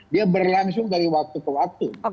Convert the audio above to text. dia berlangsung dari waktu ke waktu